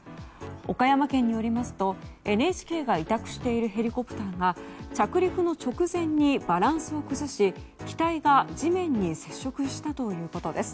岡山県によりますと、ＮＨＫが委託しているヘリコプターが着陸の直前にバランスを崩し機体が地面に接触したということです。